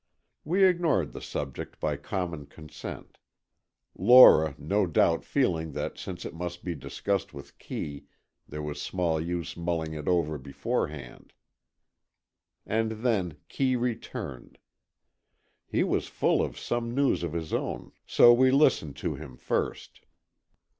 We ignored the subject by common consent, Lora, no doubt feeling that since it must be discussed with Kee, there was small use mulling it over beforehand. And then, Kee returned. He was full of some news of his own, so we listened to him first.